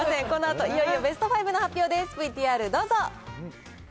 このあといよいよベスト５の発表です。